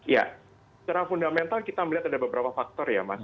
ya secara fundamental kita melihat ada beberapa faktor ya mas